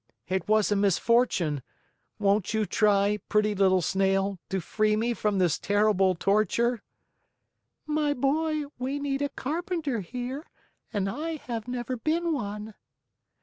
"It was a misfortune. Won't you try, pretty little Snail, to free me from this terrible torture?" "My boy, we need a carpenter here and I have never been one."